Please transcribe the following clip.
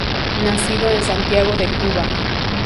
Nacido en Santiago de Cuba.